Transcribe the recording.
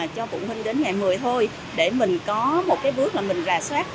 cho phụ huynh đến ngày một mươi thôi để mình có một cái bước là mình rà soát